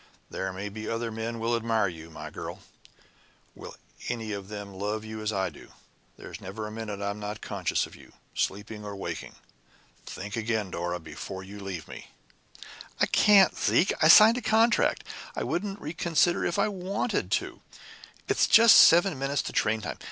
There may be other men will admire you, my girl will any of them love you as I do? There's never a minute I'm not conscious of you, sleeping or waking. Think again, Dora, before you leave me!" "I can't, Zeke. I've signed a contract. I couldn't reconsider if I wanted to. It's just seven minutes to train time.